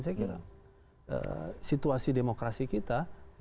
saya kira situasi demokrasi kita